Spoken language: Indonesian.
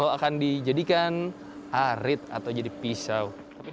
atau akan dijadikan arit atau jadi pisau